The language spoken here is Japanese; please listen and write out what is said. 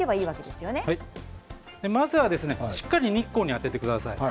まずはしっかりと日光に当ててください。